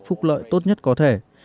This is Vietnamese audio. phúc lợi tốt nhất có thể